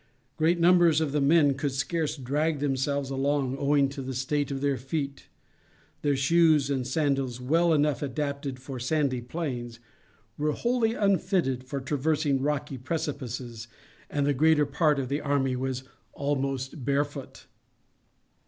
Great numbers of the men could scarce drag themselves along owing to the state of their feet; their shoes and sandals, well enough adapted for sandy plains, were wholly unfitted for traversing rocky precipices, and the greater part of the army was almost barefoot.